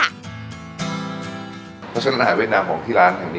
เพราะฉะนั้นอาหารเวียดนามของที่ร้านแห่งนี้